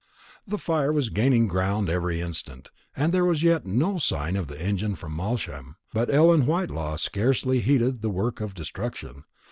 The fire was gaining ground every instant, and there was yet no sign of the engine from Malsham; but Ellen Whitelaw scarcely heeded the work of destruction.